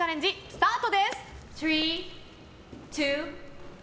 スタートです。